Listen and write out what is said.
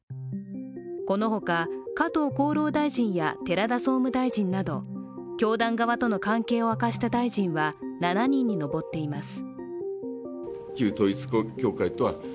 この他、加藤厚労大臣や寺田総務大臣など教団側との関係を明かした大臣は７人に上っています。